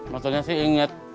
motornya sih inget